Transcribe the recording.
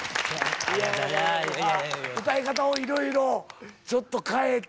歌い方をいろいろちょっと変えてというのか。